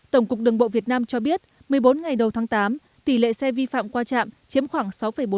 tổng cục đường bộ việt nam cho biết một mươi bốn ngày đầu tháng tám tỷ lệ xe vi phạm qua trạm chiếm khoảng sáu bốn